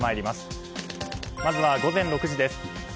まずは午前６時です。